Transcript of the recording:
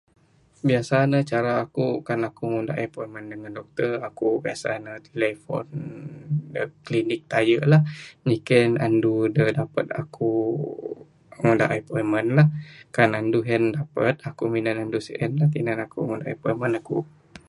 Biasa ne cara aku ngundah appointment ngan doctor aku biasa ne telefon neg klinik taye lah nyiken andu da dapat aku ngundah appointment lah kan andu hen dapat, aku minan andu sien lah tinan aku ngundah appointment aku.